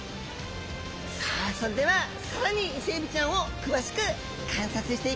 さあそれでは更にイセエビちゃんを詳しく観察していきましょう！